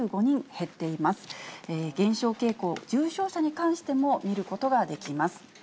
減少傾向、重症者に関しても見ることができます。